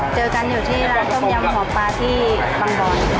เจอกันอยู่ที่แรมท่นต้มยำหัวปลาที่สำบรรย์